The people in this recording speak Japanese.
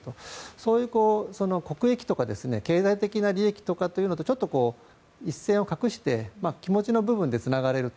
そういう国益とか経済的な利益とかっていうのとちょっと一線を画して気持ちの部分でつながれると。